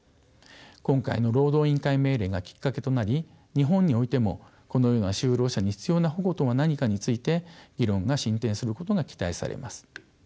今回の労働委員会命令がきっかけとなり日本においてもこのような就労者に必要な保護とは何かについて議論が進展することが期待されます。